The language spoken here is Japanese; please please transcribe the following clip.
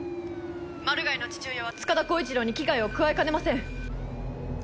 マルガイの父親は塚田巧一朗に危害を加えかねません。